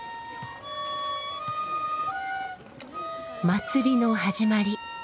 祭りの始まり。